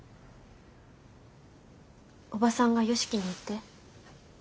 おばさんが良樹にって？